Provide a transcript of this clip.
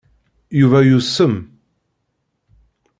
Yuba yusem.